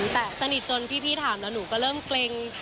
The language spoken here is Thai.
แต่สนิทจนพี่ถามแล้วหนูก็เริ่มเกร็ง